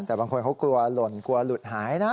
แต่บางคนเขากลัวหล่นกลัวหลุดหายนะ